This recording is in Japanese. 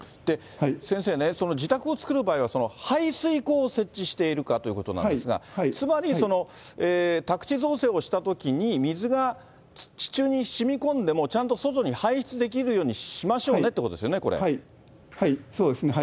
先生ね、その自宅を造る場合は、排水溝を設置しているかということなんですが、つまり、宅地造成をしたときに、水が地中にしみこんでも、ちゃんと外に排出できるようにしましょうねってことですよね、こそうですね。